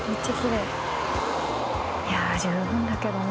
いや十分だけどな。